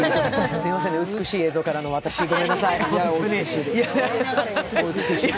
すみませんね、美しい映像からの私、ごめんなさい。